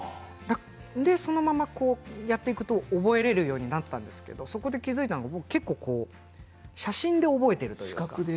そのまま、やっていくと覚えられるようになったんですけどそこで気が付いたのは僕は写真で覚えているというか。